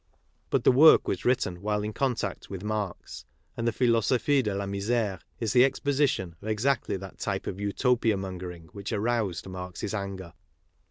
But the work was written while in contact with Marx, and. the Philosophie de la Misere is the exposition of exactly that type of Utopia mongering which aroused Marx's anger.